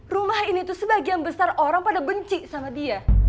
rumah ini tuh sebagian besar orang pada benci sama dia